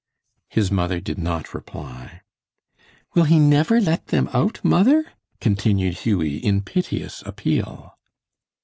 His mother did not reply. "Will He never let them out, mother?" continued Hughie, in piteous appeal.